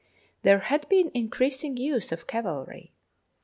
There had been increasing use of cavalry.